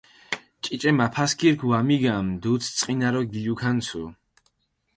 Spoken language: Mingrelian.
ჭიჭე მაფასქირქ ვამიგამჷ, დუდს წყჷნარო გილუქანცუ.